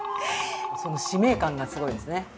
その使命感がすごいですね。